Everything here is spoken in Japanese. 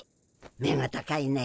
目が高いね。